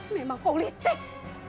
memang kau licik